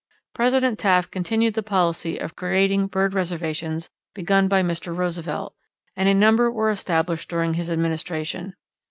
_ President Taft continued the policy of creating bird reservations begun by Mr. Roosevelt, and a number were established during his administration.